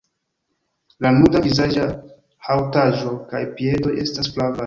La nuda vizaĝa haŭtaĵo kaj piedoj estas flavaj.